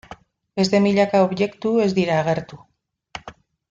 Beste milaka objektu ez dira agertu.